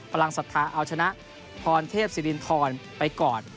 พลังศรัทธาเอาชนะพรเทพศิรินทรไปก่อน